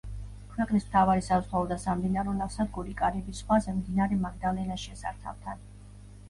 ქვეყნის მთავარი საზღვაო და სამდინარო ნავსადგური კარიბის ზღვაზე, მდინარე მაგდალენას შესართავთან.